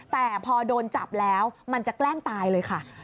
แต่พอโดนจับแล้วมันจะแกล้งตายเลยค่ะ